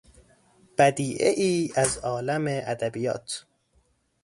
بدیعهای از عالم ادبیات